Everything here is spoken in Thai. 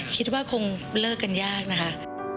คิดว่าคงเลิกกันยากนะคะ